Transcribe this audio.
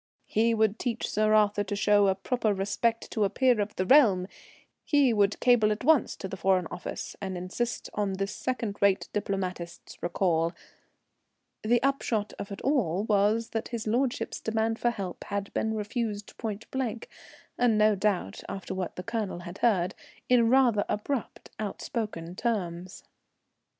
He would teach Sir Arthur to show proper respect to a peer of the realm; he would cable at once to the Foreign Office and insist on this second rate diplomatist's recall. The upshot of it all was that his lordship's demand for help had been refused pointblank, and no doubt, after what the Colonel had heard, in rather abrupt, outspoken terms.